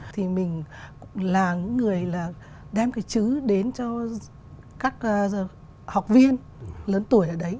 thì mình là người đem cái chữ đến cho các học viên lớn tuổi ở đấy